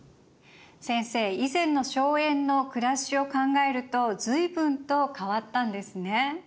先生以前の荘園の暮らしを考えると随分と変わったんですね。